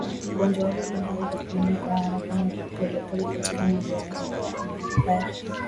Ugonjwa huu unaweza kuenea kwa haraka ama polepole katika mwili wa mnyama na huathiri